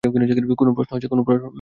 কোনো প্রশ্ন আছে?